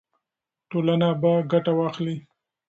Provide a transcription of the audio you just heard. ټولنه به ګټه واخلي.